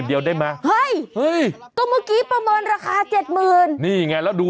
เพราะว่าก็ผิดยอมแล้วว่าผิด